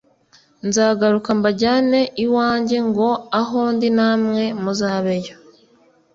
nzagaruka mbajyane iwanjye ngo aho ndi namwe muzabe yo.`»